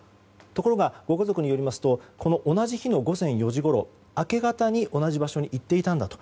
ところが、ご家族によりますと同じ日の午前４時ごろ明け方に同じ場所に行っていたんだと。